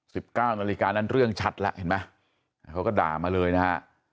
สิบเก้านาฬิกานั้นเรื่องชัดแล้วเห็นไหมอ่าเขาก็ด่ามาเลยนะฮะ